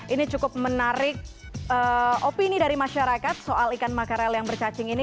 ini cukup menarik opini dari masyarakat soal ikan makarel yang bercacing ini